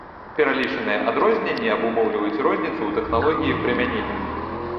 Пералічаныя адрозненні абумоўліваюць розніцу ў тэхналогіі прымянення.